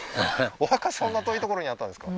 お墓そんな遠い所にあったんですか？